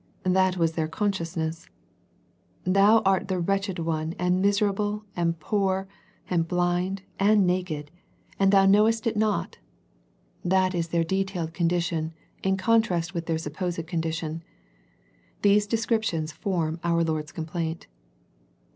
That was their consciousness. " Thou art the wretched one and miserable and poor and blind and naked, and thou knowest it 196 A First Century Message not." That is their detailed condition in con trast with their supposed condition. These descriptions form our Lord's complaint.